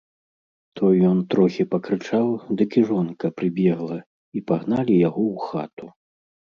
То ён трохі пакрычаў, дык і жонка прыбегла, і пагналі яго ў хату.